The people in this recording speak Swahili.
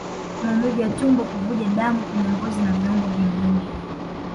Maumivu ya tumbo Kuvuja damu kwenye ngozi na viungo vingine